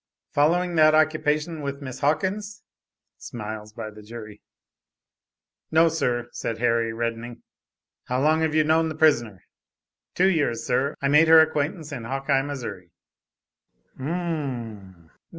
Following that occupation with Miss Hawkins?" (Smiles by the jury). "No, sir," said Harry, reddening. "How long have you known the prisoner?" "Two years, sir. I made her acquaintance in Hawkeye, Missouri." "M.....m...m.